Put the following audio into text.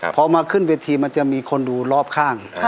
พอมาขึ้นเวทีมันจะมีคนดูรอบข้าง